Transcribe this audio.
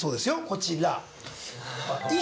こちら。